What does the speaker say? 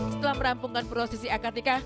setelah merampungkan prosesi akartika